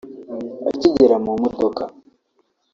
Akigera mu modoka